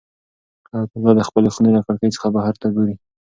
حیات الله د خپلې خونې له کړکۍ څخه بهر ته ګوري.